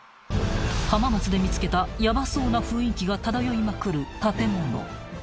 ［浜松で見つけたヤバそうな雰囲気が漂いまくる建物］